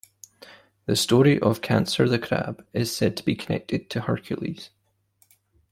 The story of Cancer the Crab is said to be connected to Hercules.